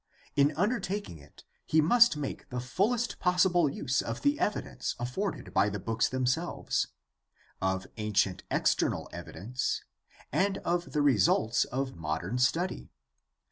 In undertaking it he must make the fullest possible use of the evidence afforded by the books themselves, of ancient external evidence, and of the results of modern study.